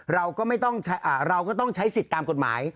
เราก็ต้องใช้สิทธิ์ตามกฎหมาย